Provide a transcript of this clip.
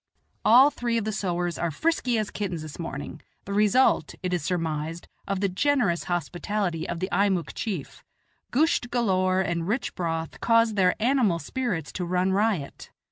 All three of the sowars are frisky as kittens this morning, the result, it is surmised, of the generous hospitality of the Eimuek chief gusht galore and rich broth cause their animal spirits to run riot.